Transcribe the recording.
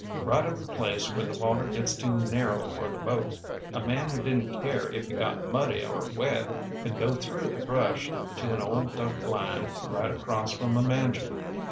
Right at the place where the water gets too narrow for the boat, a man who didn't care if he got muddy or wet could go through the brush to an old duck blind right across from the mansion.